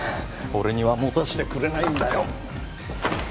俺には持たせてくれないんだよ